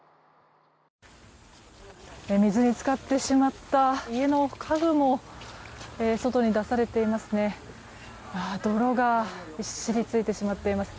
水に浸かってしまった家の家具も外に出されています。